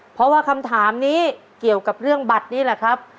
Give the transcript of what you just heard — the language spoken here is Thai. เพราะว่าคำถามนี้เกี่ยวกับเรื่องบัตรนี้แหละครับ